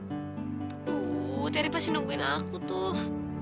aduh teri pasti nungguin aku tuh